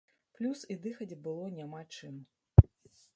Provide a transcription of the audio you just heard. Плюс і дыхаць было няма чым.